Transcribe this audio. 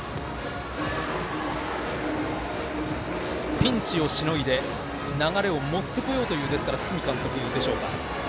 ピンチをしのいで流れを持ってこようという堤監督でしょうか。